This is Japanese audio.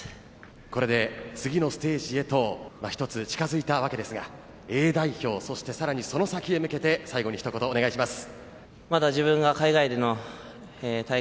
これで次のステージへと一つ近づいたわけですがＡ代表、そしてさらにその先へ向けて最後に一言お願いします。